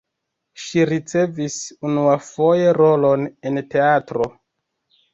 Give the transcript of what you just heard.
Ŝi ricevis unuafoje rolon en la teatro.